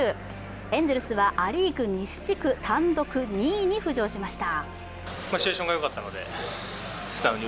エンゼルスはア・リーグ西地区単独２位に浮上しました。